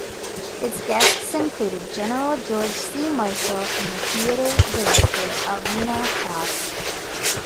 Its guests included General George C. Marshall and theater director Alvina Krause.